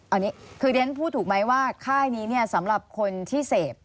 อันนี้คือเรียนพูดถูกไหมว่าค่ายนี้เนี่ยสำหรับคนที่เสพ